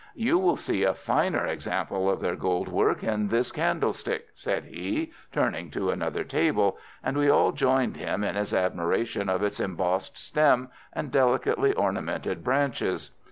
"You will see a finer example of their gold work in this candlestick," said he, turning to another table, and we all joined him in his admiration of its embossed stem and delicately ornamented branches.